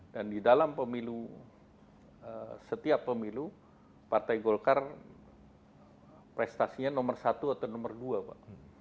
di dalam pemilu setiap pemilu partai golkar prestasinya nomor satu atau nomor dua pak